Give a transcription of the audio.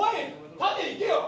縦いけよ！